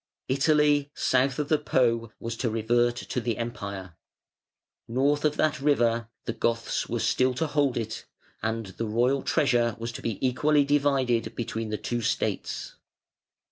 Italy, south of the Po, was to revert to the Empire; north of that river, the Goths were still to hold it, and the royal treasure was to be equally divided between the two states.